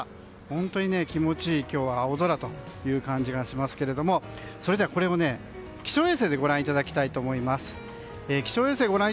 本当に気持ちいい青空という感じがしますけどこれを気象衛星でご覧いただきたいと思います。